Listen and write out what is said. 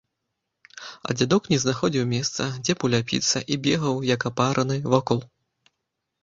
А дзядок не знаходзіў месца, дзе б уляпіцца, і бегаў, як апараны, вакол.